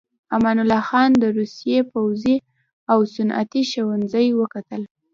امان الله خان د روسيې پوځي او صنعتي ښوونځي وکتل.